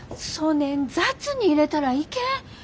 そねん雑に入れたらいけん。